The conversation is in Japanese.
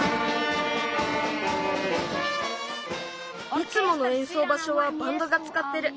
いつものえんそうばしょはバンドがつかってる。